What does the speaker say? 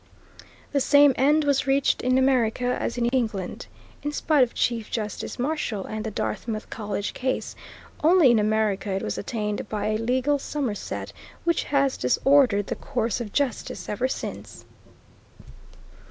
The same end was reached in America as in England, in spite of Chief Justice Marshall and the Dartmouth College Case, only in America it was attained by a legal somerset which has disordered the course of justice ever since.